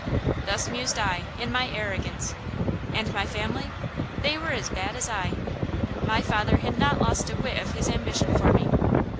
Thus mused I, in my arrogance. And my family? They were as bad as I. My father had not lost a whit of his ambition for me.